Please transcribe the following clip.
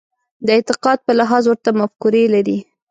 د اعتقاد په لحاظ ورته مفکورې لري.